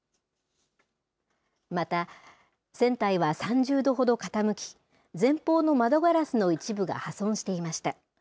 また、船体は３０度ほど傾き、前方の窓ガラスの一部が破損していました。